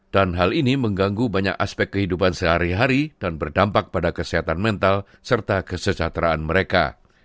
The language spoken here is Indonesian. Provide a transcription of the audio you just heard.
dan hal ini mengganggu banyak aspek kehidupan sehari hari dan berdampak pada kesehatan mental serta kesejahteraan mereka